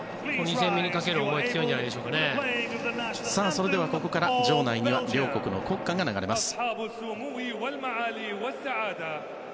２戦目にかける思いはここから場内には両国の国歌が流れます。